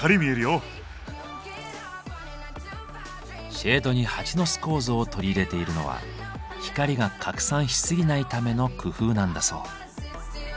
シェードにハチの巣構造を取り入れているのは光が拡散しすぎないための工夫なんだそう。